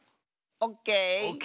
オッケー！